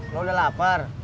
lu udah lapar